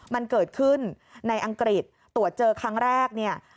มันเกิดขึ้นในอังกฤษตรวจเจอครั้งแรกเนี่ย